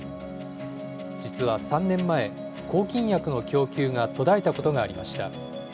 実は３年前、抗菌薬の供給が途絶えたことがありました。